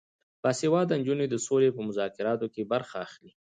باسواده نجونې د سولې په مذاکراتو کې برخه اخلي.